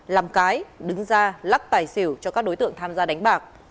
làm cái đứng ra lắc tài xỉu cho các đối tượng tham gia đánh bạc